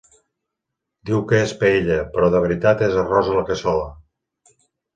Diu que és paella però de veritat és arròs a la cassola.